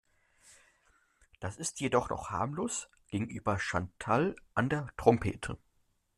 Das ist jedoch noch harmlos gegenüber Chantal an der Trompete.